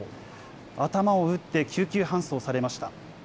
頭を打って救急搬送されました。